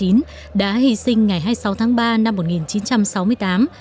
trung đoàn hai trăm linh chín đã hy sinh ngày hai mươi sáu tháng ba năm một nghìn chín trăm sáu mươi tám